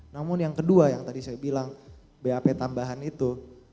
namun yang kedua yang tadi saya bilang bap tambahan itu